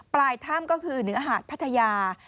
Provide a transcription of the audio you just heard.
ปลายถ้ำก็คือเหนือหาดพัทยา